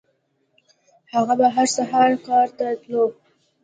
هغه به هر سهار کار ته تلو.